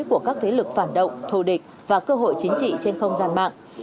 của các thế lực phản động thù địch và cơ hội chính trị trên không gian mạng